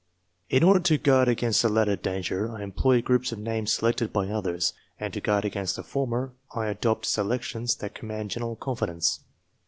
In order to guard against the latter danger, I employ groups of names selected by others; and, to guard against the former, I adopt selections that command general confidence.